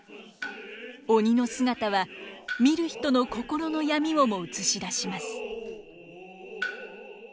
鬼の姿は見る人の心の闇をも映し出します。